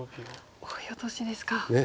オイオトシですか。